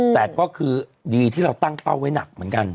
แต่ก็คือดีที่เราตั้งเป้าไว้หนักเหมือนกัน